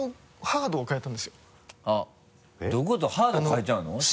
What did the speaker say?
ハードを変えちゃうの？